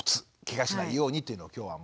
けがしないようにというのを今日はもう。